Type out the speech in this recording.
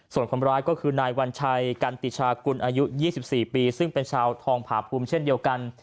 ส่วนคนร้ายก็คือนายวัญชัยกันติชากุลอายุ๒๔ปีซึ่งเป็นชาวทองผาภูมิเช่นเดียวกัน